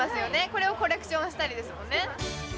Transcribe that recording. これをコレクションしたりですもんね